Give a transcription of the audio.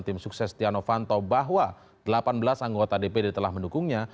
tim sukses stiano fanto bahwa delapan belas anggota dpd telah mendukungnya